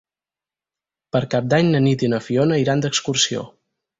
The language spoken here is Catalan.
Per Cap d'Any na Nit i na Fiona iran d'excursió.